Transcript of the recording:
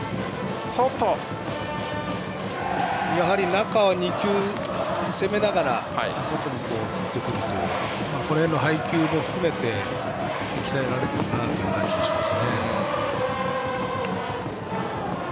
中２球攻めながら外に振ってくるというこの辺の配球も含めて鍛えられているなという感じがします。